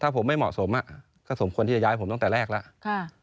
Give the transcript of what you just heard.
ถ้าผมไม่เหมาะสมก็สมควรที่จะย้ายผมตั้งแต่แรกแล้ว